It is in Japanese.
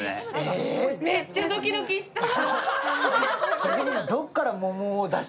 めっちゃドキドキした。